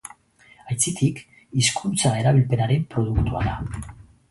Aitzitik, hizkuntza erabilpenaren produktua da.